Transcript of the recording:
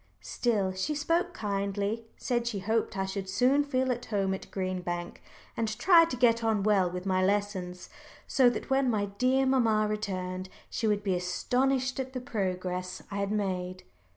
Still, she spoke kindly said she hoped I should soon feel at home at Green Bank, and try to get on well with my lessons, so that when my dear mamma returned she would be astonished at the progress I had made.